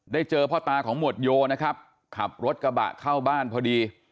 เจอพ่อตาของหมวดโยนะครับขับรถกระบะเข้าบ้านพอดี